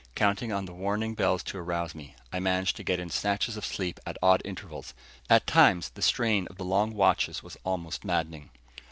Counting on the warning bells to arouse me, I managed to get in snatches of sleep at odd intervals. At times the strain of the long watches was almost maddening.